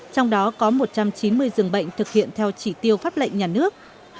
trong đó có một trăm chín mươi giường bệnh thực hiện theo trị tiêu pháp lệnh nhà nước